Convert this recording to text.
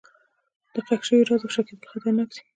د ښخ شوي راز افشا کېدل خطرناک دي.